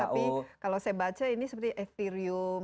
tapi kalau saya baca ini seperti experium